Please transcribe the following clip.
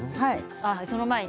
その前に。